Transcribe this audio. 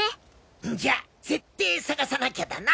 んじゃぜって探さなきゃだな！